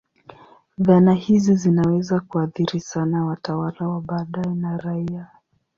Dhana hizi zinaweza kuathiri sana watawala wa baadaye na raia.